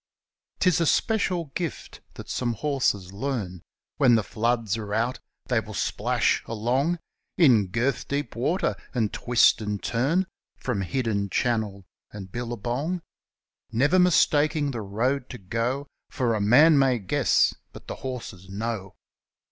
Tis a trick, no doubt, that some horses leam; When the floods are out they will splash along In girth deep water, and twist and turn From hidden channel and billabong, Never mistaking the road to go; For a man may guess — but the horses know.